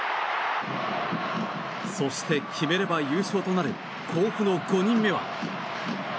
そして、決めれば優勝となる甲府の５人目は。